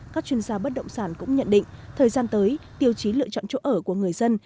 các chuyên gia bất động sản cũng nhận định thời gian tới tiêu chí lựa chọn chỗ ở của người dân